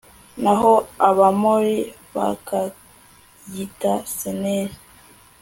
naho abamori bakayita seniri